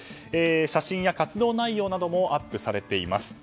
写真や活動内容などもアップされています。